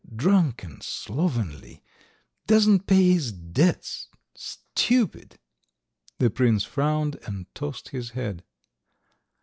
drunken, slovenly ... doesn't pay his debts, stupid" (the prince frowned and tossed his head)